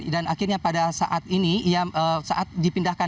dan akhirnya pada saat ini ia dipindahkan